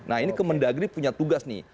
nah ini kemendagri punya tugas nih